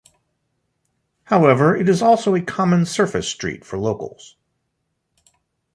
However, it is also a common surface street for locals.